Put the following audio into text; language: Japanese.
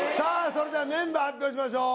それではメンバー発表しましょう